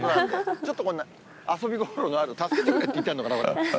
ちょっと遊び心がある、助けてくれって言ってるのかな？